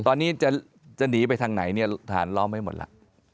ตอนนี้จะหนีไปทางไหนเนี่ยฐานล้อมไว้หมดแล้ว